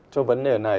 cho vấn đề này